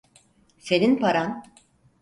Senin paran.